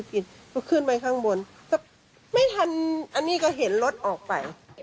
กินก็ขึ้นไปข้างบนก็ไม่ทันอันนี้ก็เห็นรถออกไป